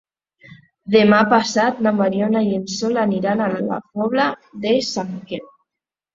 Demà passat na Mariona i en Sol aniran a la Pobla de Sant Miquel.